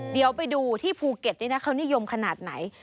เดี๋ยวไปดูที่ภูเก็ตนี่นะเขานิยมขนาดไหน